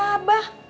eh si abah